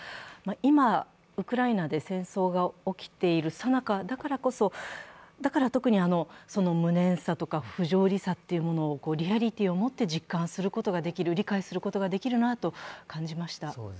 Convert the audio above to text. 今、ウクライナで戦争が起きているさなかだからこそ、だから特に、その無念さとか不条理さというものをリアリティーを持って実感することができる、理解することができるなと感じました。